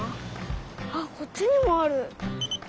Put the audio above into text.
はっこっちにもある！